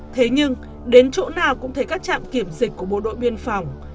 thế nhưng đến chỗ nào cũng thấy các trạm kiểm dịch của bộ đội biên phòng